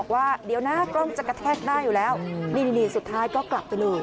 ว่าเดี๋ยวนะกล้องจะกระแทกหน้าอยู่แล้วนี่สุดท้ายก็กลับไปเลย